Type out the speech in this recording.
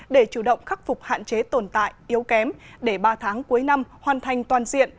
để chủ động khắc phục hạn chế tồn tại yếu kém để ba tháng cuối năm hoàn thành toàn diện